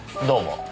どうも。